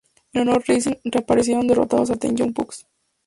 En Honor Rising, reaparecieron derrotando a The Young Bucks.